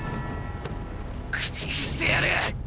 駆逐してやる！